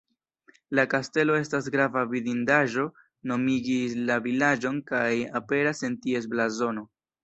La kastelo estas grava vidindaĵo, nomigis la vilaĝon kaj aperas en ties blazono.